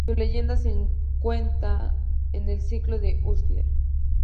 Su leyenda se cuenta en el Ciclo del Ulster.